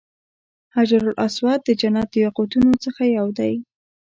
حجر اسود د جنت د یاقوتو څخه یو دی.